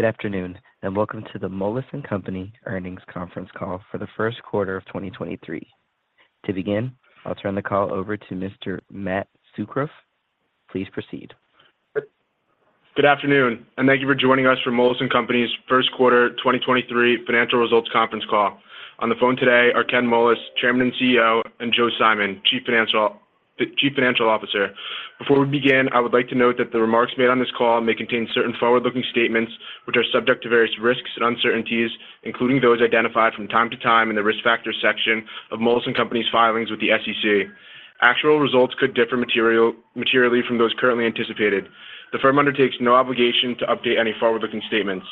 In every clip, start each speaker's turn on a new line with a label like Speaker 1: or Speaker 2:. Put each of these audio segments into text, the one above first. Speaker 1: Good afternoon, welcome to the Moelis & Company Earnings Conference Call for the first quarter of 2023. To begin, I'll turn the call over to Mr. Matt Tsukroff. Please proceed.
Speaker 2: Good afternoon, thank you for joining us for Moelis & Company's first quarter 2023 financial results conference call. On the phone today are Ken Moelis, Chairman and CEO, and Joe Simon, Chief Financial Officer. Before we begin, I would like to note that the remarks made on this call may contain certain forward-looking statements which are subject to various risks and uncertainties, including those identified from time to time in the Risk Factors section of Moelis & Company's filings with the SEC. Actual results could differ materially from those currently anticipated. The firm undertakes no obligation to update any forward-looking statements.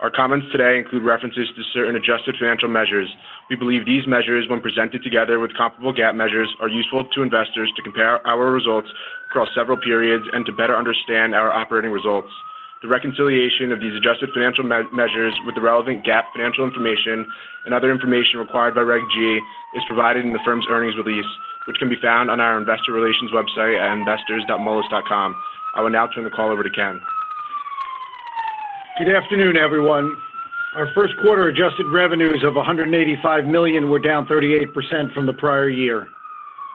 Speaker 2: Our comments today include references to certain adjusted financial measures. We believe these measures, when presented together with comparable GAAP measures, are useful to investors to compare our results across several periods and to better understand our operating results. The reconciliation of these adjusted financial measures with the relevant GAAP financial information and other information required by Reg G is provided in the firm's earnings release, which can be found on our investor relations website at investors.moelis.com. I will now turn the call over to Ken.
Speaker 3: Good afternoon, everyone. Our first quarter adjusted revenues of $185 million were down 38% from the prior year.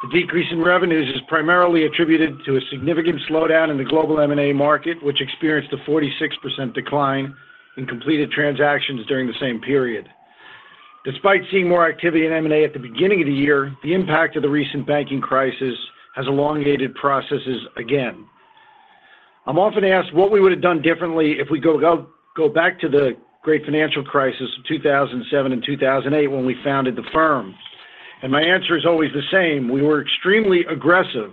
Speaker 3: The decrease in revenues is primarily attributed to a significant slowdown in the global M&A market, which experienced a 46% decline in completed transactions during the same period. Despite seeing more activity in M&A at the beginning of the year, the impact of the recent banking crisis has elongated processes again. I'm often asked what we would have done differently if we go back to the great financial crisis of 2007 and 2008 when we founded the firm. My answer is always the same: We were extremely aggressive,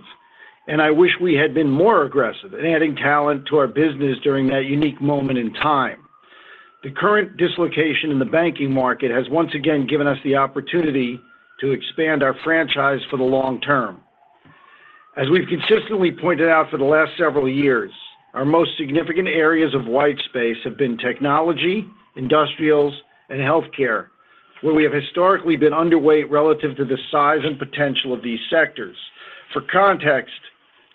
Speaker 3: and I wish we had been more aggressive in adding talent to our business during that unique moment in time. The current dislocation in the banking market has once again given us the opportunity to expand our franchise for the long term. As we've consistently pointed out for the last several years, our most significant areas of white space have been technology, industrials, and healthcare, where we have historically been underweight relative to the size and potential of these sectors. For context,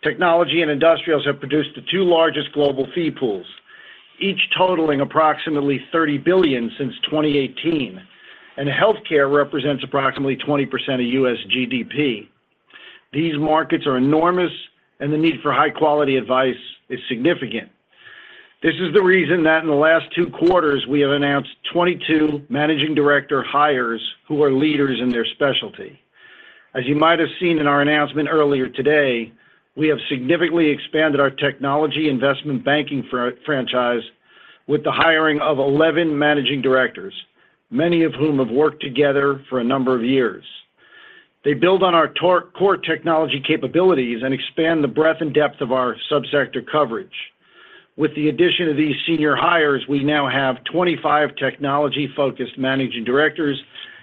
Speaker 3: technology and industrials have produced the two largest global fee pools, each totaling approximately $30 billion since 2018, and healthcare represents approximately 20% of U.S. GDP. These markets are enormous, and the need for high-quality advice is significant. This is the reason that in the last two quarters we have announced 22 managing director hires who are leaders in their specialty. As you might have seen in our announcement earlier today, we have significantly expanded our technology investment banking franchise with the hiring of 11 managing directors, many of whom have worked together for a number of years. They build on our core technology capabilities and expand the breadth and depth of our sub-sector coverage. With the addition of these senior hires, we now have 25 technology-focused managing directors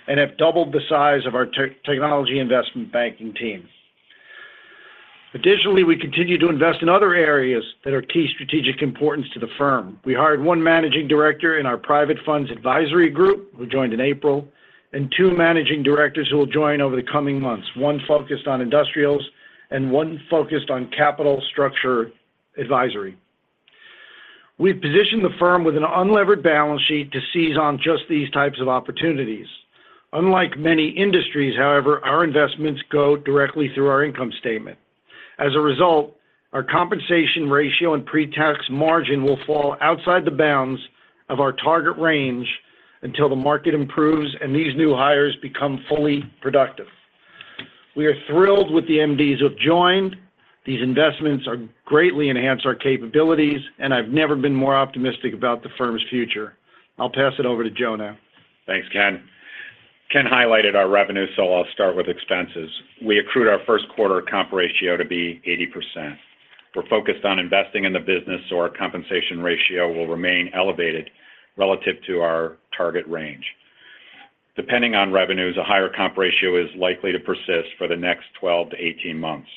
Speaker 3: and have doubled the size of our technology investment banking team. We continue to invest in other areas that are key strategic importance to the firm. We hired 1 managing director in our Private Funds Advisory Group, who joined in April, and two managing directors who will join over the coming months, one focused on industrials and one focused on Capital Structure Advisory. We've positioned the firm with an unlevered balance sheet to seize on just these types of opportunities. Unlike many industries, however, our investments go directly through our income statement. As a result, our compensation ratio and pre-tax margin will fall outside the bounds of our target range until the market improves and these new hires become fully productive. We are thrilled with the MDs who have joined. These investments are greatly enhanced our capabilities, and I've never been more optimistic about the firm's future. I'll pass it over to Joe now.
Speaker 4: Thanks, Ken. Ken highlighted our revenue. I'll start with expenses. We accrued our first quarter comp ratio to be 80%. We're focused on investing in the business. Our compensation ratio will remain elevated relative to our target range. Depending on revenues, a higher comp ratio is likely to persist for the next 12 to 18 months.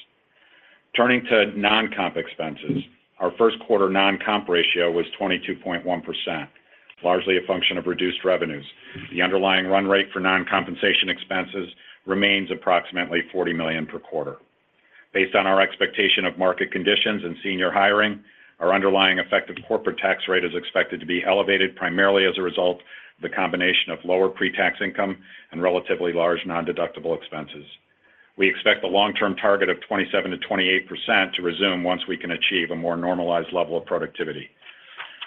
Speaker 4: Turning to non-comp expenses, our first quarter non-comp ratio was 22.1%, largely a function of reduced revenues. The underlying run rate for non-compensation expenses remains approximately $40 million per quarter. Based on our expectation of market conditions and senior hiring, our underlying effective corporate tax rate is expected to be elevated primarily as a result of the combination of lower pre-tax income and relatively large nondeductible expenses. We expect the long-term target of 27%-28% to resume once we can achieve a more normalized level of productivity.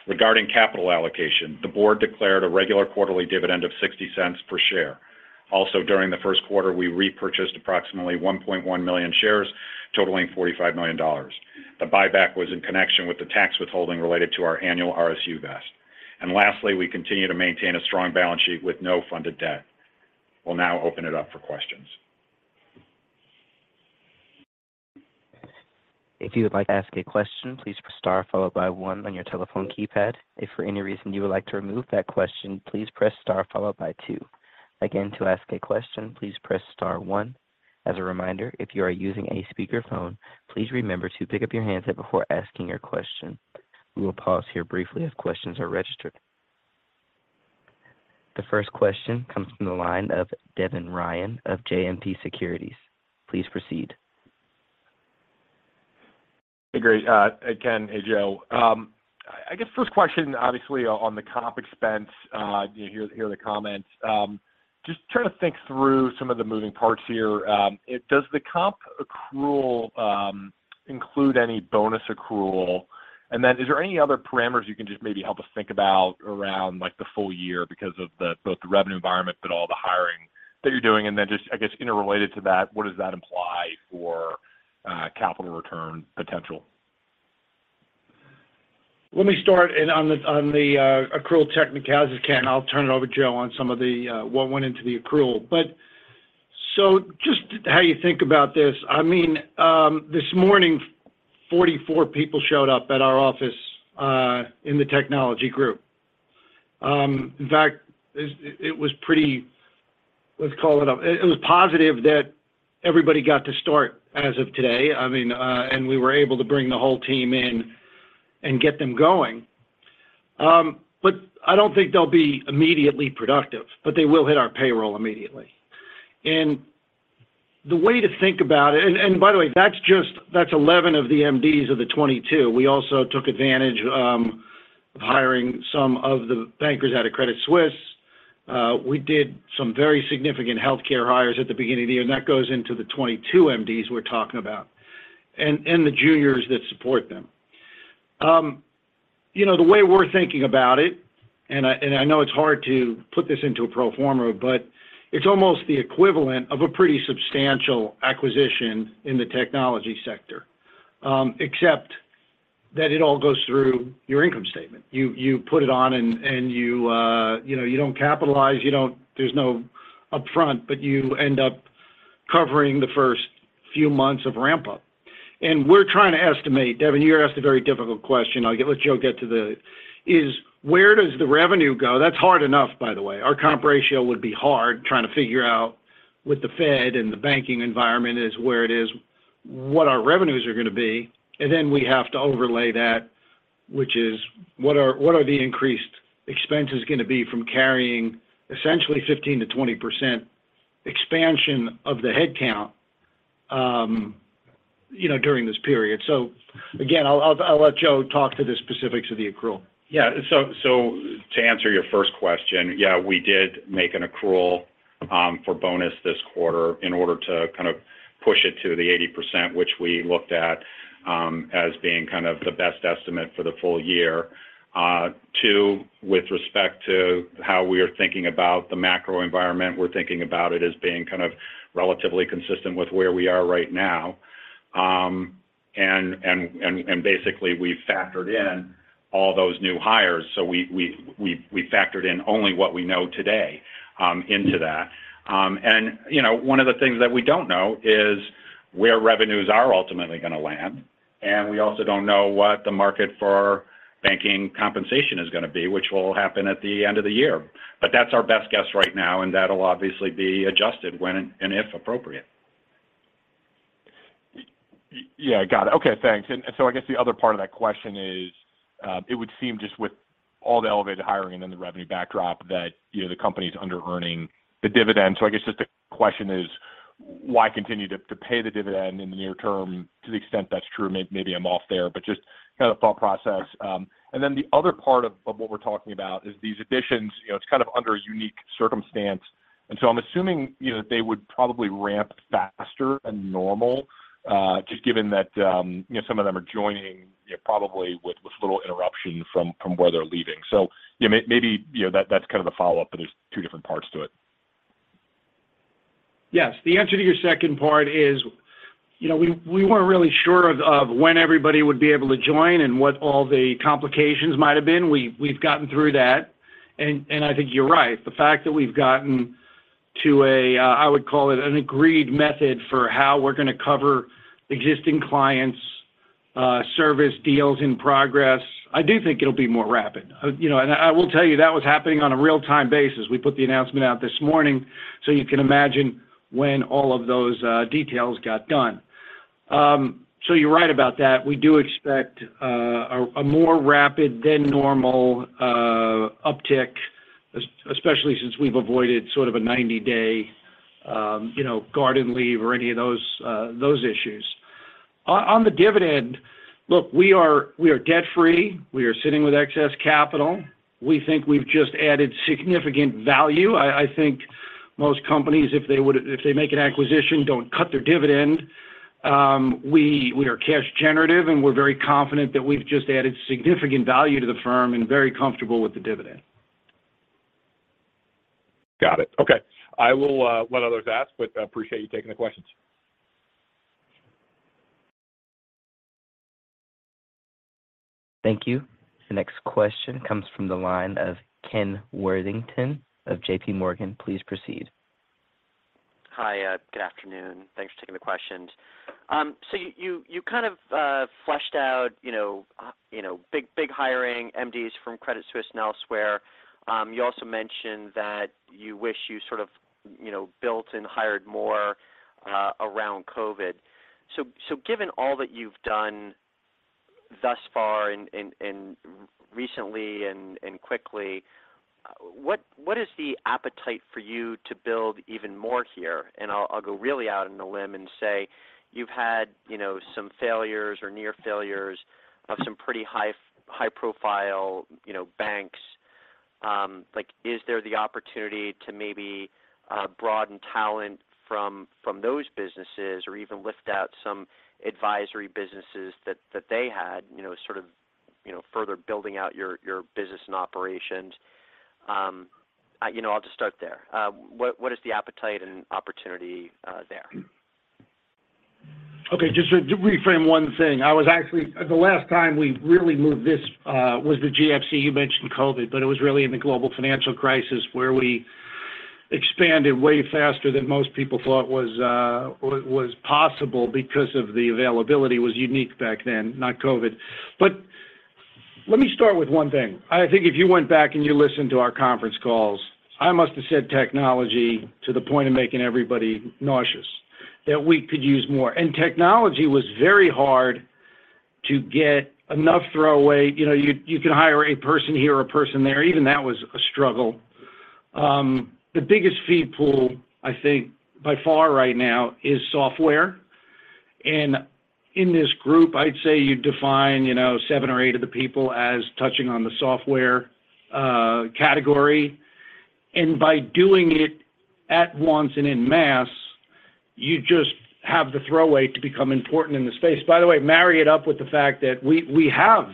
Speaker 4: Regarding capital allocation, the board declared a regular quarterly dividend of $0.60 per share. During the first quarter, we repurchased approximately 1.1 million shares, totaling $45 million. The buyback was in connection with the tax withholding related to our annual RSU vest. Lastly, we continue to maintain a strong balance sheet with no funded debt. We'll now open it up for questions.
Speaker 1: If you would like to ask a question, please press star followed by one on your telephone keypad. If for any reason you would like to remove that question, please press star followed by two. Again, to ask a question, please press star one. As a reminder, if you are using a speakerphone, please remember to pick up your handset before asking your question. We will pause here briefly as questions are registered. The first question comes from the line of Devin Ryan of JMP Securities. Please proceed.
Speaker 5: Great. Hey Ken. Hey Joe. I guess first question obviously on the comp expense, you hear the comments. Just trying to think through some of the moving parts here. Does the comp accrual include any bonus accrual? Is there any other parameters you can just maybe help us think about around like the full year because of the both the revenue environment but all the hiring that you're doing? Just I guess interrelated to that, what does that imply for capital return potential?
Speaker 3: Let me start and on the accrual technicalities, Ken, I'll turn it over to Joe on some of the what went into the accrual. Just how you think about this, I mean, this morning 44 people showed up at our office in the technology group. In fact, it was positive that everybody got to start as of today. I mean, we were able to bring the whole team in and get them going. I don't think they'll be immediately productive. They will hit our payroll immediately. The way to think about it. By the way, that's just 11 of the MDs of the 22. We also took advantage of hiring some of the bankers out of Credit Suisse. We did some very significant healthcare hires at the beginning of the year, and that goes into the 22 MDs we're talking about and the juniors that support them. You know, the way we're thinking about it, and I know it's hard to put this into a pro forma, but it's almost the equivalent of a pretty substantial acquisition in the technology sector, except that it all goes through your income statement. You put it on and you know, you don't capitalize, there's no upfront, but you end up covering the first few months of ramp up. We're trying to estimate. Devin, you asked a very difficult question. I'll let Joe get to the, where does the revenue go? That's hard enough, by the way. Our comp ratio would be hard trying to figure out with the Fed and the banking environment is where it is, what our revenues are going to be. We have to overlay that, which is what are the increased expenses going to be from carrying essentially 15%-20% expansion of the headcount, you know, during this period. Again, I'll let Joe talk to the specifics of the accrual.
Speaker 4: Yeah. To answer your first question, yeah, we did make an accrual for bonus this quarter in order to kind of push it to the 80%, which we looked at as being kind of the best estimate for the full year. Two, with respect to how we are thinking about the macro environment, we're thinking about it as being kind of relatively consistent with where we are right now. Basically we've factored in all those new hires. We've factored in only what we know today into that. You know, one of the things that we don't know is where revenues are ultimately going to land. We also don't know what the market for banking compensation is going to be, which will happen at the end of the year. That's our best guess right now, and that'll obviously be adjusted when and if appropriate.
Speaker 5: Yeah. Got it. Okay. Thanks. I guess the other part of that question is, it would seem just with all the elevated hiring and then the revenue backdrop that, you know, the company's under earning the dividend. So I guess just the question is why continue to pay the dividend in the near term to the extent that's true? Maybe I'm off there, but just kind of thought process. Then the other part of what we're talking about is these additions, you know, it's kind of under a unique circumstance. I'm assuming, you know, they would probably ramp faster than normal, just given that, you know, some of them are joining, you know, probably with little interruption from where they're leaving. Yeah, maybe, you know, that's kind of the follow-up, but there's two different parts to it.
Speaker 3: Yes. The answer to your second part is, you know, we weren't really sure of when everybody would be able to join and what all the complications might have been. We've gotten through that. I think you're right. The fact that we've gotten to a, I would call it an agreed method for how we're going to cover existing clients' service deals in progress, I do think it'll be more rapid. You know, I will tell you that was happening on a real-time basis. We put the announcement out this morning, so you can imagine when all of those details got done. You're right about that. We do expect a more rapid than normal uptick, especially since we've avoided sort of a 90-day, you know, garden leave or any of those those issues. On the dividend, look, we are debt-free. We are sitting with excess capital. We think we've just added significant value. I think most companies if they make an acquisition, don't cut their dividend. We are cash generative, and we're very confident that we've just added significant value to the firm and very comfortable with the dividend.
Speaker 5: Got it. Okay. I will let others ask, but I appreciate you taking the questions.
Speaker 1: Thank you. The next question comes from the line of Ken Worthington of JPMorgan. Please proceed.
Speaker 6: Hi. Good afternoon. Thanks for taking the questions. You kind of fleshed out, you know, you know, big hiring MDs from Credit Suisse and elsewhere. You also mentioned that you wish you sort of, you know, built and hired more around COVID. Given all that you've done thus far and recently and quickly, what is the appetite for you to build even more here? I'll go really out on a limb and say you've had, you know, some failures or near failures of some pretty high profile, you know, banks. Like is there the opportunity to maybe broaden talent from those businesses or even lift out some advisory businesses that they had, you know, sort of, you know, further building out your business and operations? I, you know, I'll just start there. What is the appetite and opportunity there?
Speaker 3: Okay. Just to reframe one thing. I was actually. The last time we really moved this was the GFC. You mentioned COVID, but it was really in the global financial crisis where we expanded way faster than most people thought was possible because of the availability was unique back then, not COVID. Let me start with one thing. I think if you went back and you listened to our conference calls, I must have said technology to the point of making everybody nauseous, that we could use more. Technology was very hard to get enough throw weight. You know, you can hire a person here or a person there. Even that was a struggle. The biggest fee pool, I think by far right now is software. In this group, I'd say you define, you know, seven or eight of the people as touching on the software category. By doing it at once and in mass, you just have the throw weight to become important in the space. By the way, marry it up with the fact that we have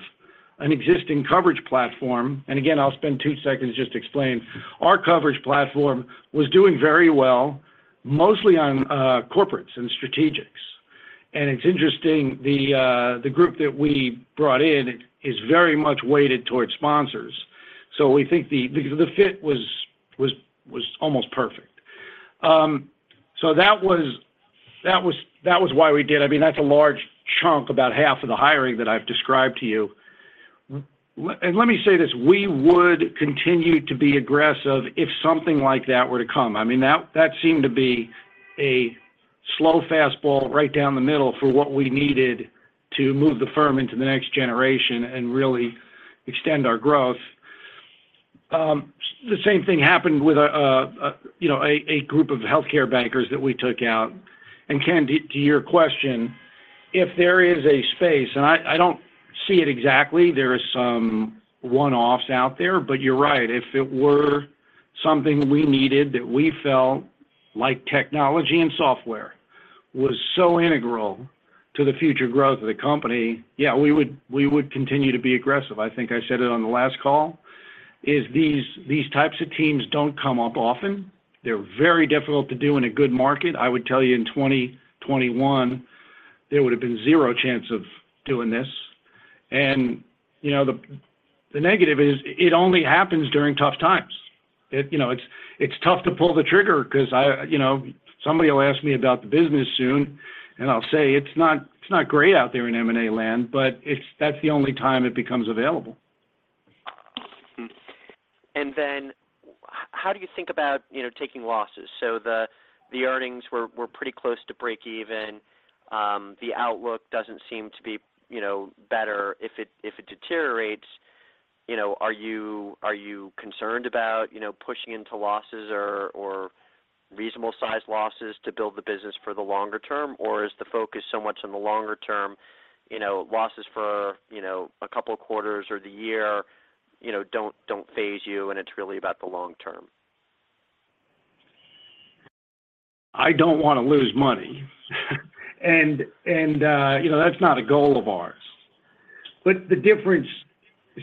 Speaker 3: an existing coverage platform. Again, I'll spend 2 seconds just explaining. Our coverage platform was doing very well, mostly on corporates and strategics. It's interesting, the group that we brought in is very much weighted towards sponsors. We think because the fit was almost perfect. So that was why we did. I mean, that's a large chunk, about half of the hiring that I've described to you. Let me say this, we would continue to be aggressive if something like that were to come. I mean, that seemed to be a slow fastball right down the middle for what we needed to move the firm into the next generation and really extend our growth. The same thing happened with a, you know, group of healthcare bankers that we took out. Ken, to your question, if there is a space, and I don't see it exactly. There are some one-offs out there. You're right. If it were something we needed that we felt like technology and software was so integral to the future growth of the company, yeah, we would continue to be aggressive. I think I said it on the last call, is these types of teams don't come up often. They're very difficult to do in a good market. I would tell you in 2021, there would have been zero chance of doing this. You know, the negative is it only happens during tough times. It, you know, it's tough to pull the trigger 'cause I, you know, somebody will ask me about the business soon, and I'll say, "It's not, it's not great out there in M&A land," but it's that's the only time it becomes available.
Speaker 6: How do you think about, you know, taking losses? The earnings were pretty close to breakeven. The outlook doesn't seem to be, you know, better. If it deteriorates, you know, are you concerned about, you know, pushing into losses or reasonable sized losses to build the business for the longer term? Is the focus so much on the longer term, you know, losses for, you know, a couple of quarters or the year, you know, don't phase you, and it's really about the long term?
Speaker 3: I don't wanna lose money. You know, that's not a goal of ours. The difference.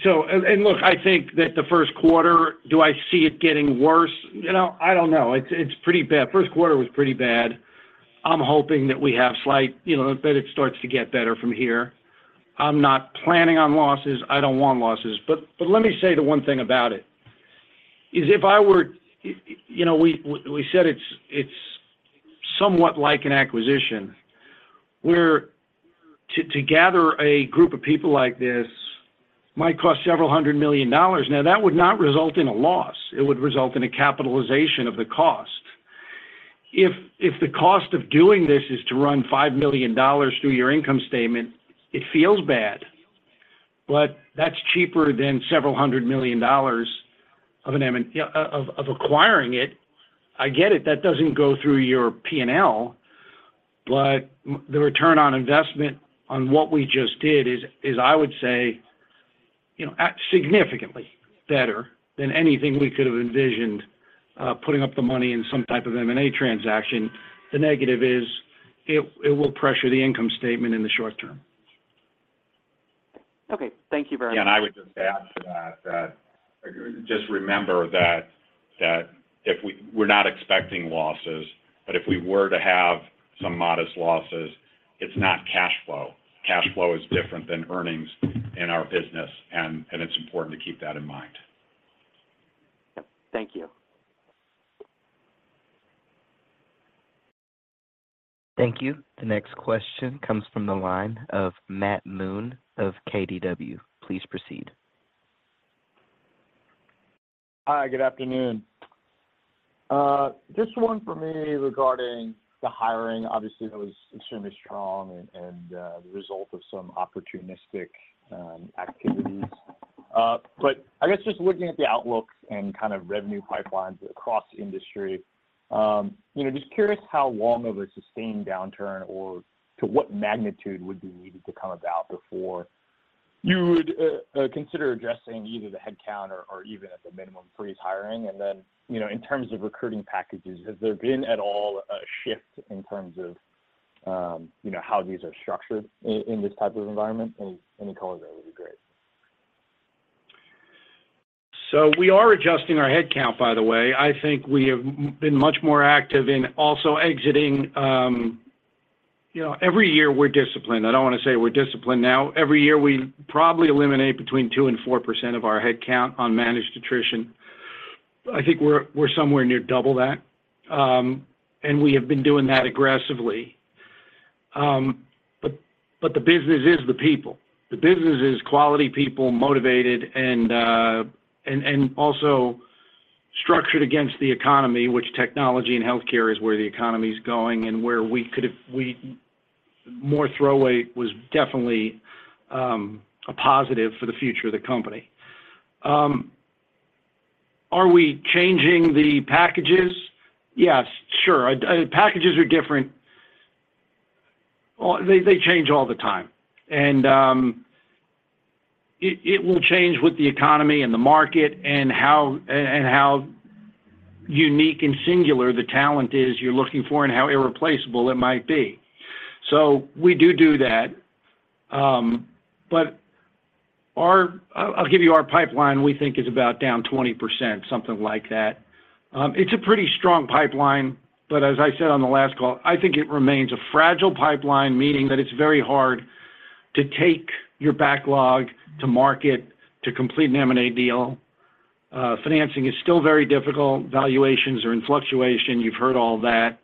Speaker 3: Look, I think that the first quarter, do I see it getting worse? You know, I don't know. It's pretty bad. First quarter was pretty bad. I'm hoping that we have slight, you know, that it starts to get better from here. I'm not planning on losses. I don't want losses. Let me say the one thing about it, is if I were... You know, we said it's somewhat like an acquisition, where to gather a group of people like this might cost several hundred million dollars. That would not result in a loss. It would result in a capitalization of the cost. If the cost of doing this is to run $5 million through your income statement, it feels bad, that's cheaper than several hundred million dollars of acquiring it. I get it. That doesn't go through your P&L. The return on investment on what we just did is I would say, you know, significantly better than anything we could have envisioned putting up the money in some type of M&A transaction. The negative is it will pressure the income statement in the short term.
Speaker 6: Okay. Thank you very much.
Speaker 4: Yeah. I would just add to that, just remember that, if we're not expecting losses, if we were to have some modest losses, it's not cash flow. Cash flow is different than earnings in our business, and it's important to keep that in mind.
Speaker 6: Yep. Thank you.
Speaker 1: Thank you. The next question comes from the line of Matt Moon of KBW. Please proceed.
Speaker 7: Hi, good afternoon. Just one for me regarding the hiring. Obviously, that was extremely strong and the result of some opportunistic activities. I guess just looking at the outlooks and kind of revenue pipelines across industry, you know, just curious how long of a sustained downturn or to what magnitude would be needed to come about before you would consider addressing either the headcount or even at the minimum freeze hiring. Then, you know, in terms of recruiting packages, has there been at all a shift in terms of, you know, how these are structured in this type of environment? Any color there would be great.
Speaker 3: We are adjusting our headcount, by the way. I think we have been much more active in also exiting. You know, every year we're disciplined. I don't want to say we're disciplined now. Every year, we probably eliminate between 2% and 4% of our headcount on managed attrition. I think we're somewhere near double that. We have been doing that aggressively. The business is the people. The business is quality people, motivated and also structured against the economy, which technology and healthcare is where the economy is going and where more throw weight was definitely a positive for the future of the company. Are we changing the packages? Yes, sure. Packages are different. Well, they change all the time. It, it will change with the economy and the market and how unique and singular the talent is you're looking for and how irreplaceable it might be. We do that. I'll give you our pipeline, we think is about down 20%, something like that. It's a pretty strong pipeline, but as I said on the last call, I think it remains a fragile pipeline, meaning that it's very hard to take your backlog to market to complete an M&A deal. Financing is still very difficult. Valuations are in fluctuation. You've heard all that.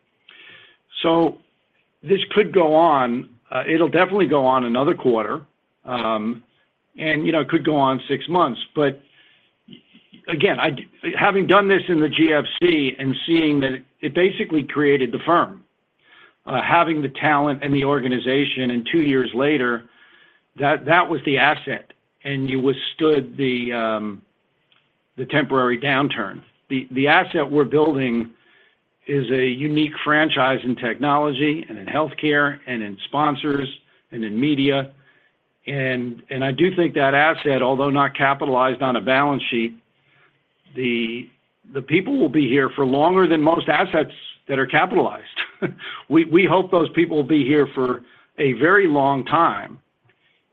Speaker 3: This could go on. It'll definitely go on another quarter, and you know, it could go on 6 months. Having done this in the GFC and seeing that it basically created the firm. Having the talent and the organization, and two years later, that was the asset, and you withstood the temporary downturn. The asset we're building is a unique franchise in technology and in healthcare and in sponsors and in media. I do think that asset, although not capitalized on a balance sheet, the people will be here for longer than most assets that are capitalized. We hope those people will be here for a very long time.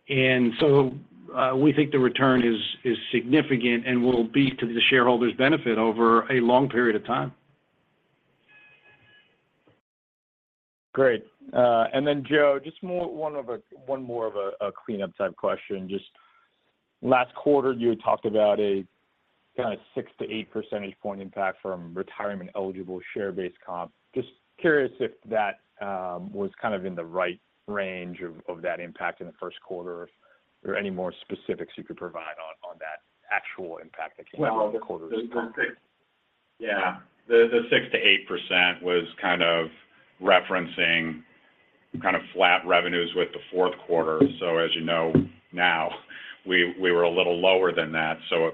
Speaker 3: We think the return is significant and will be to the shareholders' benefit over a long period of time.
Speaker 7: Great. Joe, just one more of a cleanup type question. Just last quarter, you had talked about a kinda 6-8 percentage point impact from retirement-eligible share-based comp. Just curious if that was kind of in the right range of that impact in the first quarter. If there are any more specifics you could provide on that actual impact that came out in the quarter.
Speaker 4: Well, yeah. The 6%-8% was kind of referencing kind of flat revenues with the fourth quarter. As you know now, we were a little lower than that, so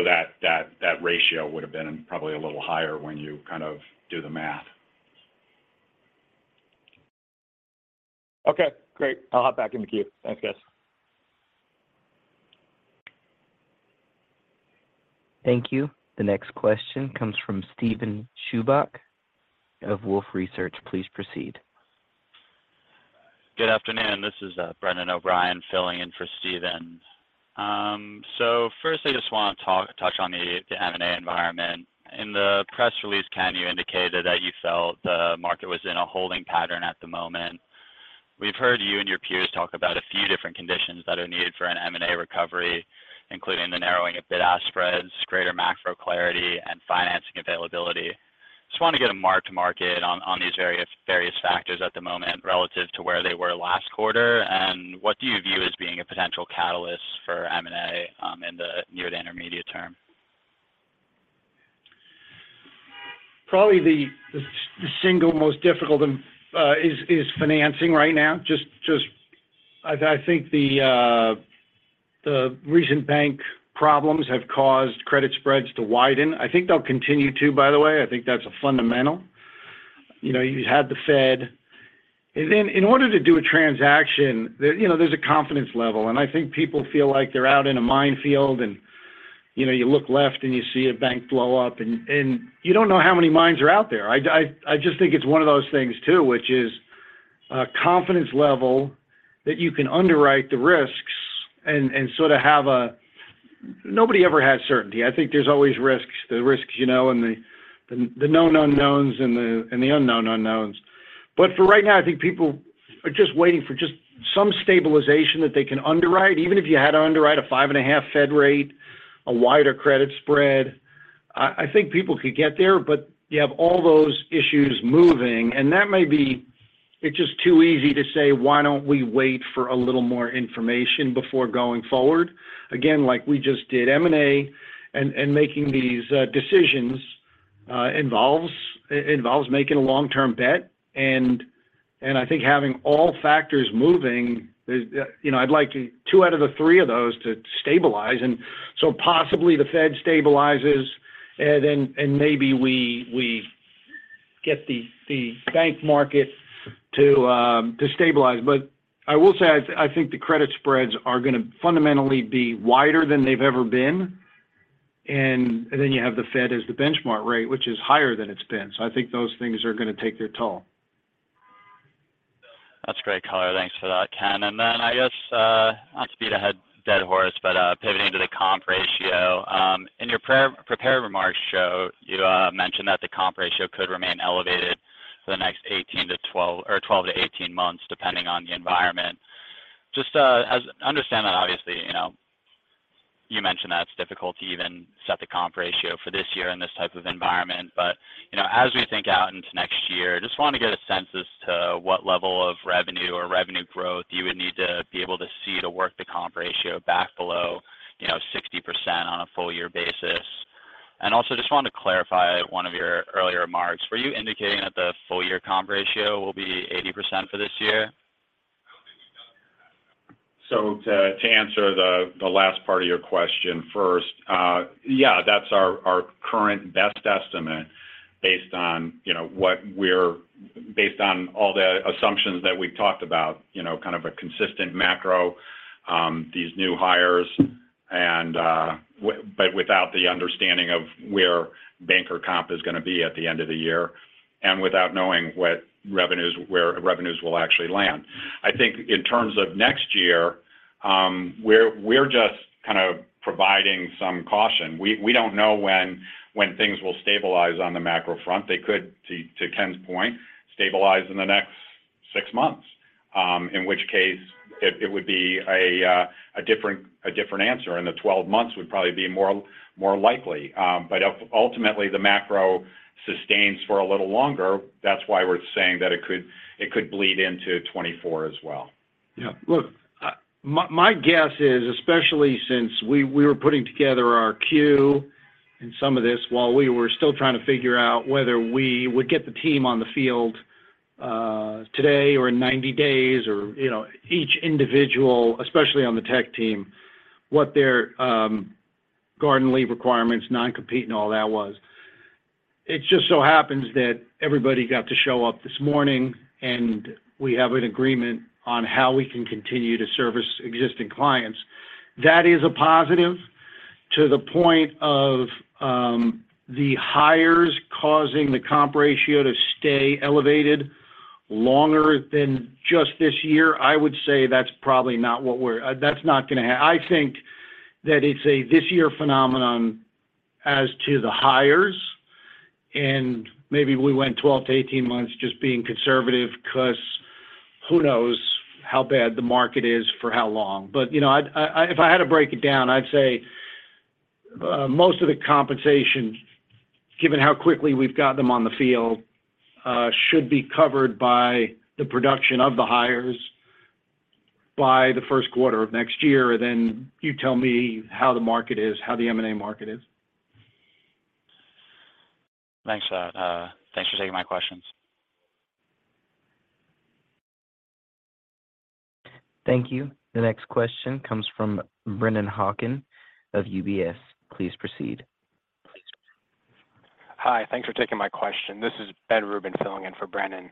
Speaker 4: that ratio would have been probably a little higher when you kind of do the math.
Speaker 7: Okay, great. I'll hop back in the queue. Thanks, guys.
Speaker 1: Thank you. The next question comes from Steven Chubak of Wolfe Research. Please proceed.
Speaker 8: Good afternoon. This is Brendan O'Brien filling in for Steven. Firstly, just want to touch on the M&A environment. In the press release, Ken, you indicated that you felt the market was in a holding pattern at the moment. We've heard you and your peers talk about a few different conditions that are needed for an M&A recovery, including the narrowing of bid-ask spreads, greater macro clarity, and financing availability. Just wanted to get a mark-to-market on these various factors at the moment relative to where they were last quarter, and what do you view as being a potential catalyst for M&A in the near to intermediate term?
Speaker 3: Probably the single most difficult is financing right now. Just, I think the recent bank problems have caused credit spreads to widen. I think they'll continue to, by the way. I think that's a fundamental. You know, you had the Fed. Then in order to do a transaction, there, you know, there's a confidence level, and I think people feel like they're out in a minefield and, you know, you look left and you see a bank blow up and you don't know how many mines are out there. I just think it's one of those things too, which is a confidence level that you can underwrite the risks and sort of have a... Nobody ever has certainty. I think there's always risks, the risks, you know, and the known unknowns and the unknown unknowns. For right now, I think people are just waiting for just some stabilization that they can underwrite. Even if you had to underwrite a 5.5% Fed rate, a wider credit spread, I think people could get there, but you have all those issues moving, and it's just too easy to say, "Why don't we wait for a little more information before going forward?" Again, like we just did M&A and making these decisions involves making a long-term bet. I think having all factors moving is, you know, I'd like two out of the three of those to stabilize. Possibly the Fed stabilizes and then maybe we get the bank market to stabilize. I will say I think the credit spreads are gonna fundamentally be wider than they've ever been. Then you have the Fed as the benchmark rate, which is higher than it's been. I think those things are gonna take their toll.
Speaker 8: That's great color. Thanks for that, Ken. Then I guess, not to beat a dead horse, but, pivoting to the comp ratio, in your pre-prepared remarks, Joe, you mentioned that the comp ratio could remain elevated for the next 18-12 or 12-18 months, depending on the environment. Just understand that obviously, you know, you mentioned that it's difficult to even set the comp ratio for this year in this type of environment. You know, as we think out into next year, just want to get a sense as to what level of revenue or revenue growth you would need to be able to see to work the comp ratio back below, you know, 60% on a full year basis. Also just wanted to clarify one of your earlier remarks. Were you indicating that the full year comp ratio will be 80% for this year?
Speaker 4: To answer the last part of your question first. Yeah, that's our current best estimate based on, you know, all the assumptions that we've talked about, you know, kind of a consistent macro, these new hires and, but without the understanding of where banker comp is going to be at the end of the year and without knowing where revenues will actually land. I think in terms of next year, we're just kind of providing some caution. We don't know when things will stabilize on the macro front. They could, to Ken's point, stabilize in the next six months, in which case it would be a different answer, and the 12 months would probably be more likely. If ultimately the macro sustains for a little longer, that's why we're saying that it could, it could bleed into 2024 as well.
Speaker 3: Look, my guess is, especially since we were putting together our Q and some of this while we were still trying to figure out whether we would get the team on the field, today or in 90 days or, you know, each individual, especially on the tech team, what their garden leave requirements, non-compete and all that was. It just so happens that everybody got to show up this morning, and we have an agreement on how we can continue to service existing clients. That is a positive. To the point of the hires causing the comp ratio to stay elevated longer than just this year, I would say that's probably not I think that it's a this year phenomenon as to the hires, and maybe we went 12-18 months just being conservative because who knows how bad the market is for how long. You know, I'd if I had to break it down, I'd say most of the compensation, given how quickly we've got them on the field, should be covered by the production of the hires by the first quarter of next year. You tell me how the market is, how the M&A market is?
Speaker 8: Thanks. Thanks for taking my questions.
Speaker 1: Thank you. The next question comes from Brennan Hawken of UBS. Please proceed.
Speaker 9: Hi. Thanks for taking my question. This is Ben Rubin filling in for Brendan.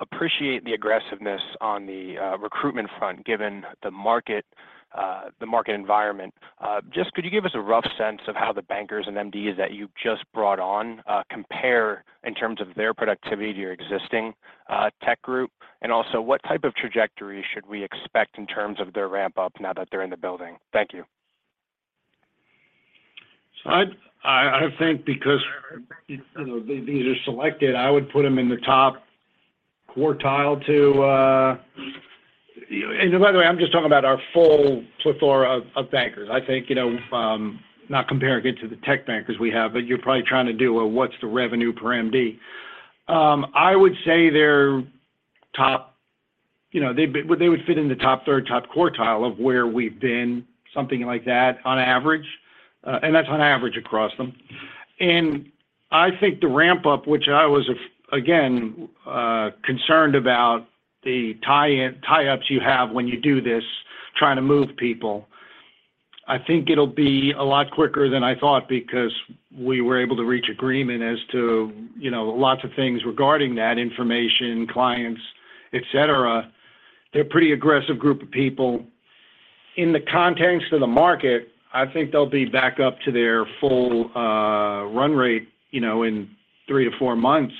Speaker 9: Appreciate the aggressiveness on the recruitment front, given the market environment. Just could you give us a rough sense of how the bankers and MDs that you just brought on, compare in terms of their productivity to your existing tech group? Also, what type of trajectory should we expect in terms of their ramp up now that they're in the building? Thank you.
Speaker 3: I think because, you know, they, these are selected, I would put them in the top quartile to. By the way, I'm just talking about our full plethora of bankers. I think, you know, not comparing it to the tech bankers we have, but you're probably trying to do a what's the revenue per MD. I would say they're top, you know, they would fit in the top third, top quartile of where we've been, something like that on average. That's on average across them. I think the ramp up, which I was, again, concerned about the tie-ups you have when you do this, trying to move people. I think it'll be a lot quicker than I thought because we were able to reach agreement as to, you know, lots of things regarding that information, clients, et cetera. They're a pretty aggressive group of people. In the context of the market, I think they'll be back up to their full run rate, you know, in three to four months.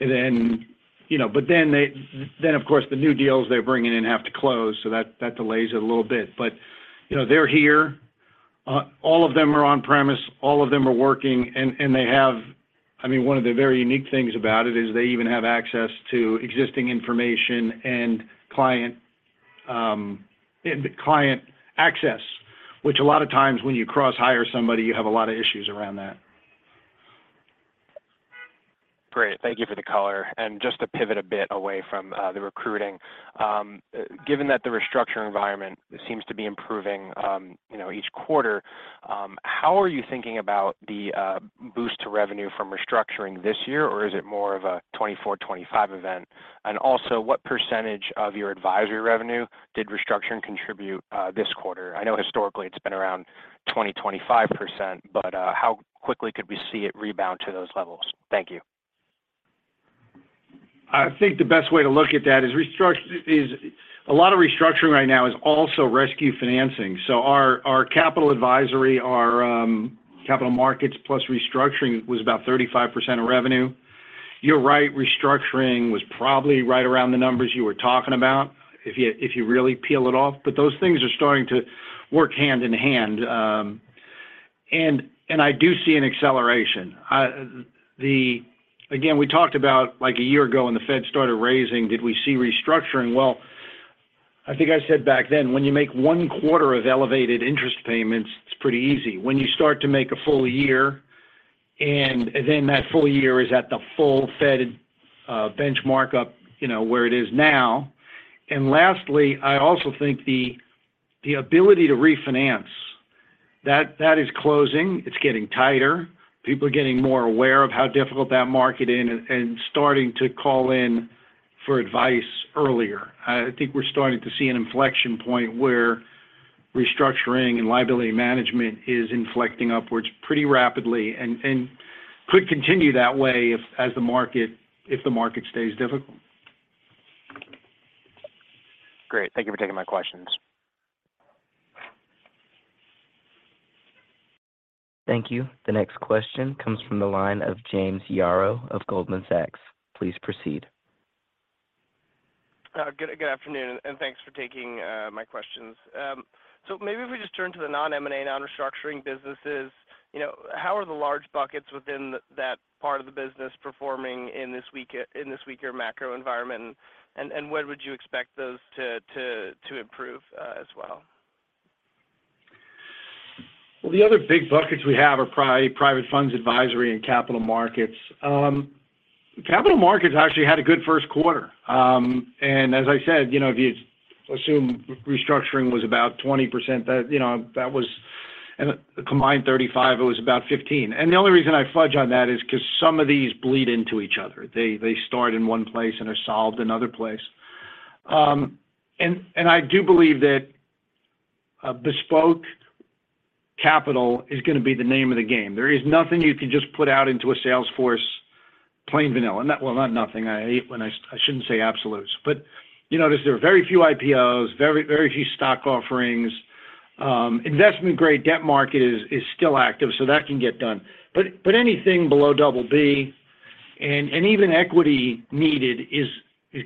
Speaker 3: Then, you know, then, of course, the new deals they're bringing in have to close, so that delays it a little bit. You know, they're here. All of them are on premise, all of them are working, and they have, I mean, one of the very unique things about it is they even have access to existing information and client, in the client access, which a lot of times when you cross-hire somebody, you have a lot of issues around that.
Speaker 9: Great. Thank you for the color. Just to pivot a bit away from the recruiting. Given that the restructuring environment seems to be improving, you know, each quarter, how are you thinking about the boost to revenue from restructuring this year? Or is it more of a 2024, 2025 event? Also, what percentage of your advisory revenue did restructuring contribute this quarter? I know historically it's been around 20%-25%, but how quickly could we see it rebound to those levels? Thank you.
Speaker 3: I think the best way to look at that is a lot of restructuring right now is also rescue financing. Our capital advisory, our capital markets plus restructuring was about 35% of revenue. You're right, restructuring was probably right around the numbers you were talking about if you, if you really peel it off. Those things are starting to work hand in hand. I do see an acceleration. Again, we talked about, like, a year ago when the Fed started raising, did we see restructuring? Well, I think I said back then, when you make one quarter of elevated interest payments, it's pretty easy. When you start to make a full year, and then that full year is at the full Fed benchmark up, you know, where it is now. Lastly, I also think the ability to refinance, that is closing, it's getting tighter. People are getting more aware of how difficult that market is and starting to call in for advice earlier. I think we're starting to see an inflection point where restructuring and liability management is inflecting upwards pretty rapidly and could continue that way if the market stays difficult.
Speaker 9: Great. Thank you for taking my questions.
Speaker 1: Thank you. The next question comes from the line of James Yaro of Goldman Sachs. Please proceed.
Speaker 10: Good afternoon, and thanks for taking my questions. Maybe if we just turn to the non-M&A, non-restructuring businesses, you know, how are the large buckets within that part of the business performing in this weaker macro environment? When would you expect those to improve as well?
Speaker 3: Well, the other big buckets we have are Private Funds Advisory and capital markets. Capital markets actually had a good first quarter. As I said, you know, if you assume restructuring was about 20%. A combined 35%, it was about 15%. The only reason I fudge on that is because some of these bleed into each other. They start in one place and are solved another place. And I do believe that bespoke capital is gonna be the name of the game. There is nothing you can just put out into a sales force plain vanilla. Well, not nothing. I hate when I shouldn't say absolutes. You notice there are very few IPOs, very few stock offerings. Investment-grade debt market is still active, that can get done. Anything below double B and even equity needed is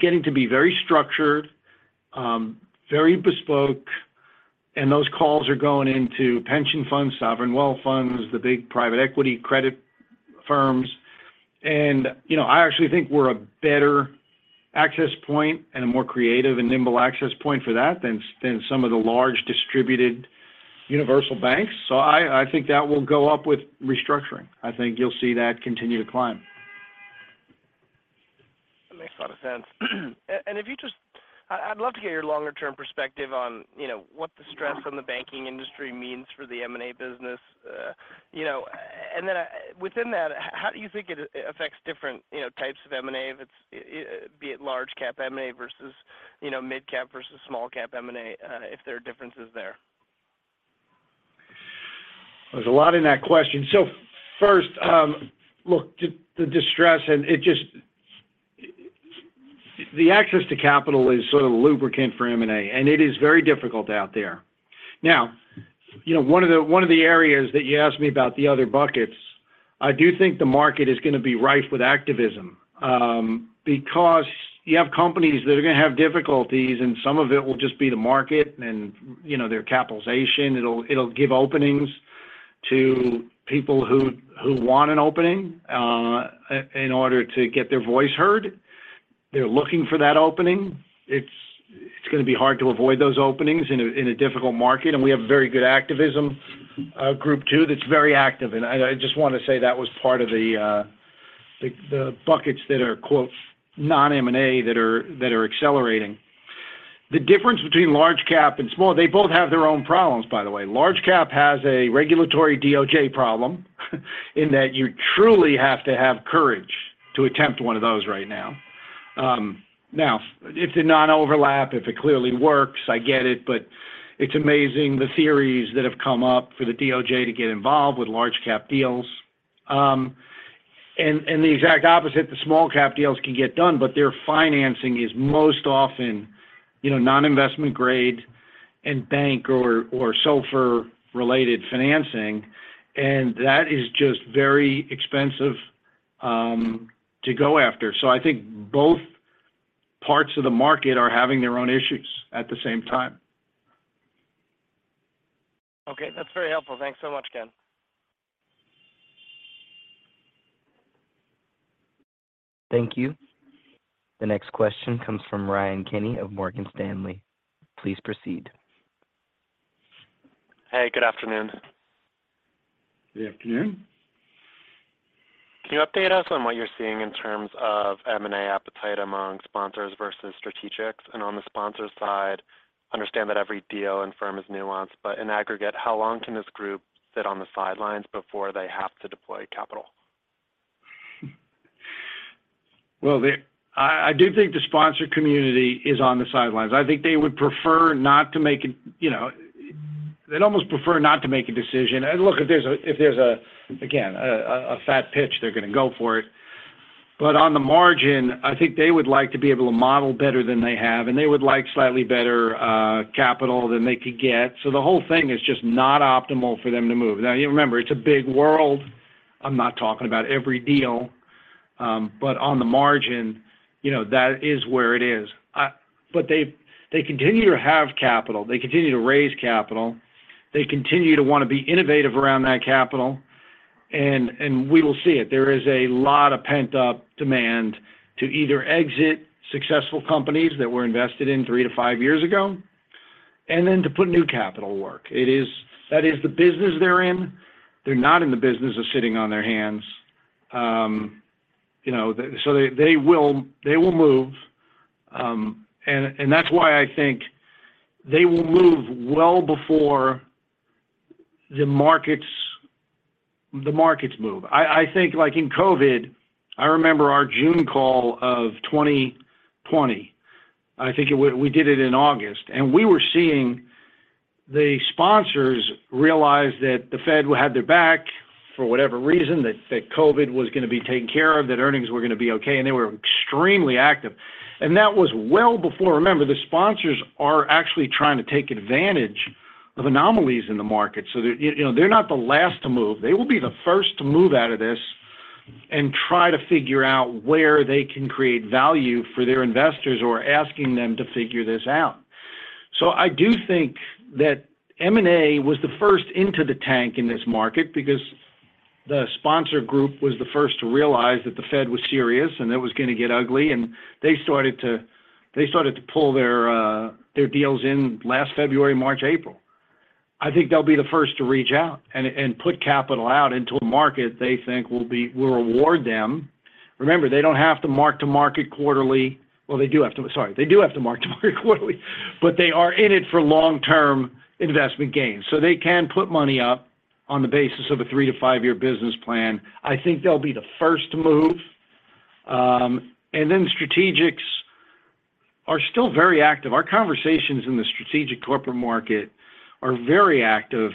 Speaker 3: getting to be very structured, very bespoke, and those calls are going into pension funds, sovereign wealth funds, the big private equity credit firms. You know, I actually think we're a better access point and a more creative and nimble access point for that than some of the large distributed universal banks. I think that will go up with restructuring. I think you'll see that continue to climb.
Speaker 10: That makes a lot of sense. If you just, I'd love to get your longer term perspective on, you know, what the stress on the banking industry means for the M&A business. You know, then, within that, how do you think it affects different, you know, types of M&A if it's be it large cap M&A versus, you know, mid cap versus small cap M&A, if there are differences there.
Speaker 3: There's a lot in that question. First, look, the distress. The access to capital is sort of the lubricant for M&A, and it is very difficult out there. Now, you know, one of the areas that you asked me about the other buckets, I do think the market is gonna be rife with activism, because you have companies that are gonna have difficulties, and some of it will just be the market and, you know, their capitalization. It'll give openings to people who want an opening in order to get their voice heard. They're looking for that opening. It's gonna be hard to avoid those openings in a difficult market. We have a very good activism group too, that's very active. I just want to say that was part of the buckets that are, quote, "non-M&A" that are accelerating. The difference between large cap and small, they both have their own problems, by the way. Large cap has a regulatory DOJ problem in that you truly have to have courage to attempt one of those right now. Now if they non-overlap, if it clearly works, I get it, but it's amazing the theories that have come up for the DOJ to get involved with large cap deals. The exact opposite, the small cap deals can get done, but their financing is most often, you know, non-investment grade and bank or SOFR-related financing, and that is just very expensive to go after. I think both parts of the market are having their own issues at the same time.
Speaker 10: Okay, that's very helpful. Thanks so much, Ken.
Speaker 1: Thank you. The next question comes from Ryan Kenny of Morgan Stanley. Please proceed.
Speaker 11: Hey, good afternoon.
Speaker 3: Good afternoon.
Speaker 11: Can you update us on what you're seeing in terms of M&A appetite among sponsors versus strategics? On the sponsor side, understand that every deal and firm is nuanced, but in aggregate, how long can this group sit on the sidelines before they have to deploy capital?
Speaker 3: I do think the sponsor community is on the sidelines. I think they would prefer not to make a, you know, they'd almost prefer not to make a decision. Look, if there's a fat pitch, they're gonna go for it. On the margin, I think they would like to be able to model better than they have, and they would like slightly better capital than they could get. The whole thing is just not optimal for them to move. You remember, it's a big world. I'm not talking about every deal. On the margin, you know, that is where it is. They continue to have capital. They continue to raise capital. They continue to wanna be innovative around that capital and we will see it. There is a lot of pent-up demand to either exit successful companies that were invested in three to five years ago and then to put new capital to work. That is the business they're in. They're not in the business of sitting on their hands. You know, they will move. That's why I think they will move well before the markets move. I think, like in COVID, I remember our June call of 2020. We did it in August, we were seeing the sponsors realize that the Fed had their back for whatever reason, that COVID was gonna be taken care of, that earnings were gonna be okay, they were extremely active. That was well before. Remember, the sponsors are actually trying to take advantage of anomalies in the market. They're, you know, they're not the last to move. They will be the first to move out of this and try to figure out where they can create value for their investors or asking them to figure this out. I do think that M&A was the first into the tank in this market because the sponsor group was the first to realize that the Fed was serious and it was gonna get ugly, and they started to pull their deals in last February, March, April. I think they'll be the first to reach out and put capital out into a market they think will reward them. Remember, they don't have to mark-to-market quarterly. They do have to. Sorry. They do have to mark-to-market quarterly, but they are in it for long-term investment gains, so they can put money up on the basis of a 3-5-year business plan. I think they'll be the first to move. Strategics are still very active. Our conversations in the strategic corporate market are very active.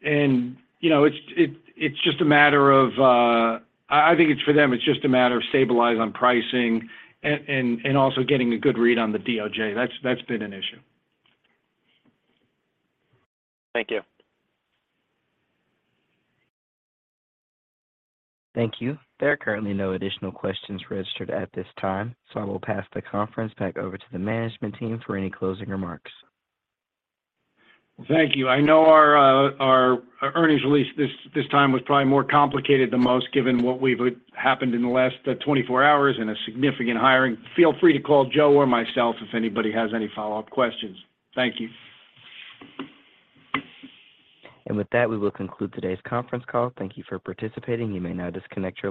Speaker 3: You know, it's just a matter of... I think it's for them, it's just a matter of stabilize on pricing and also getting a good read on the DOJ. That's been an issue.
Speaker 11: Thank you.
Speaker 1: Thank you. There are currently no additional questions registered at this time. I will pass the conference back over to the management team for any closing remarks.
Speaker 3: Thank you. I know our earnings release this time was probably more complicated than most, given what happened in the last 24 hours and a significant hiring. Feel free to call Joe or myself if anybody has any follow-up questions. Thank you.
Speaker 1: With that, we will conclude today's conference call. Thank you for participating. You may now disconnect your lines.